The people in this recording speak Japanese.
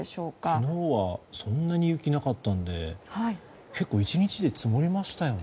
昨日はそんなに雪がなかったので結構、１日で積もりましたよね。